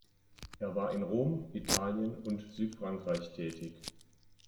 Er war in Rom, Italien und Südfrankreich tätig.